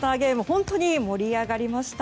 本当に盛り上がりました。